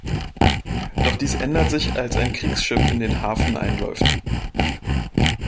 Doch dies ändert sich, als ein Kriegsschiff in den Hafen einläuft.